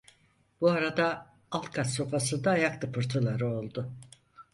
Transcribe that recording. Bu arada alt kat sofasında ayak tıpırtıları oldu.